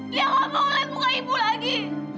lia gak boleh buka ibu lagi